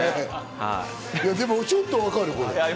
でもちょっと分かる、これ。